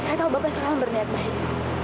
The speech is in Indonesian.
saya tahu bapak sekarang berniat baik